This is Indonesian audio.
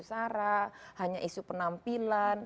sarah hanya isu penampilan